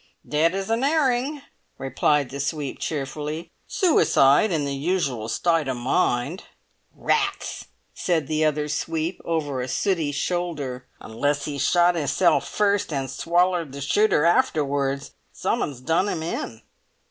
"Dead as an 'erring," replied the sweep cheerfully. "Sooicide in the usual stite o' mind." "Rats!" said the other sweep over a sooty shoulder; "unless 'e shot 'isself first an' swallered the shooter afterwards! Some'un's done 'im in."